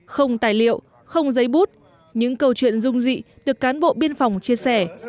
không tài liệu không giấy bút những câu chuyện dung dị được cán bộ biên phòng chia sẻ